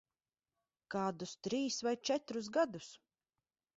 Kādus trīs vai četrus gadus.